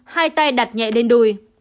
hai tay đặt nhẹ lên đùi